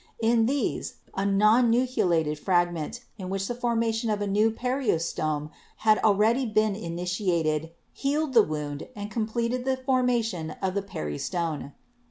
In these a non nucleated fragment in CELL DIVISION 87 which the formation of a new peristome had already been initiated healed the wound and completed the formation of the peristone.